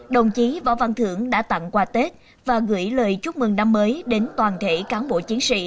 đồng chí võ văn thưởng đã tặng quà tết và gửi lời chúc mừng năm mới đến toàn thể cán bộ chiến sĩ